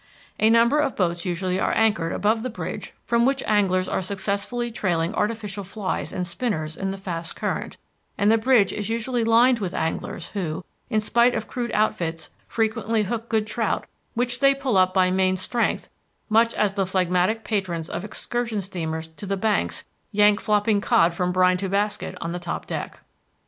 A number of boats usually are anchored above the bridge from which anglers are successfully trailing artificial flies and spinners in the fast current; and the bridge is usually lined with anglers who, in spite of crude outfits, frequently hook good trout which they pull up by main strength much as the phlegmatic patrons of excursion steamers to the Banks yank flopping cod from brine to basket on the top deck.